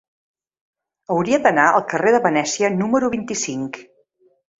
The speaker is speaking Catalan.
Hauria d'anar al carrer de Venècia número vint-i-cinc.